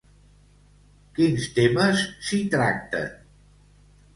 Quins temes s'hi tracten?